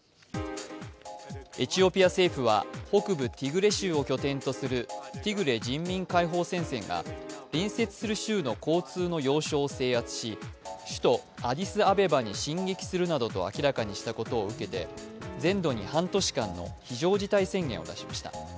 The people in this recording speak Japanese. エチオピア政府は北部ティグレ州を拠点とするティグレ人民解放戦線が隣接する州の交通の要衝を制圧し首都アディスアベバに進撃するなどと明らかにしたことを受けて全土に半年間の非常事態宣言を出しました。